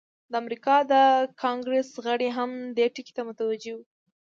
د امریکا د کانګریس غړي هم دې ټکي ته متوجه وو.